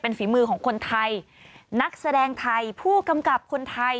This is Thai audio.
ฝีมือของคนไทยนักแสดงไทยผู้กำกับคนไทย